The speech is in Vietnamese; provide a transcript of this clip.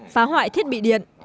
phá hoại thiết bị điện